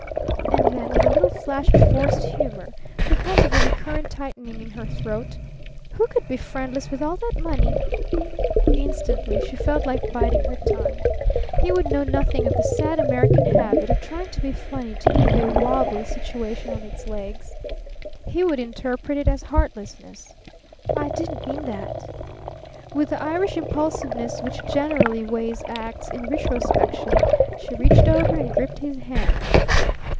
And then with a little flash of forced humour, because of the recurrent tightening in her throat "Who could be friendless, with all that money?" Instantly she felt like biting her tongue. He would know nothing of the sad American habit of trying to be funny to keep a wobbly situation on its legs. He would interpret it as heartlessness. "I didn't mean that!" With the Irish impulsiveness which generally weighs acts in retrospection, she reached over and gripped his hand.